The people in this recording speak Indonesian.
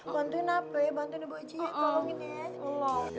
bantuin apa ya bantuin ibu haji ya tolongin ya